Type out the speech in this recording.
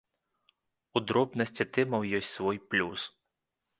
У дробнасці тэмаў ёсць свой плюс.